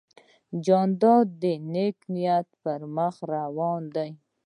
جانداد د نیک نیت پر مخ روان دی.